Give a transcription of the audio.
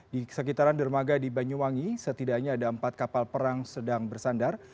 di sekitaran dermaga di banyuwangi setidaknya ada empat kapal perang sedang bersandar